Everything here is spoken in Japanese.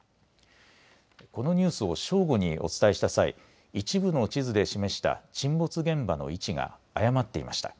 このニュースを正午にお伝えした際、一部の地図で示した沈没現場の位置が誤っていました。